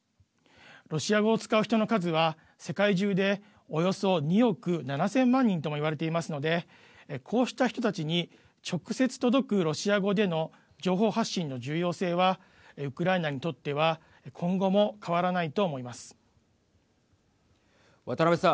ロシア語を使う人の数は世界中でおよそ２億７０００万人とも言われていますのでこうした人たちに直接届くロシア語での情報発信の重要性はウクライナにとっては渡辺さん。